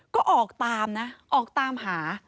ก็ออกตามนะออกตามหา